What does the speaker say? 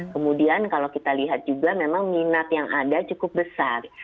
kemudian kalau kita lihat juga memang minat yang ada cukup besar